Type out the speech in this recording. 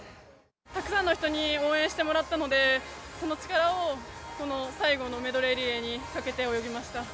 たくさんの人に応援してもらったので、その力を最後のメドレーリレーにかけて泳ぎました。